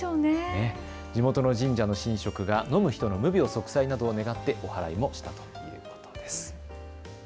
地元の神社の神職が飲む人の無病息災などを願っておはらいもしたということです。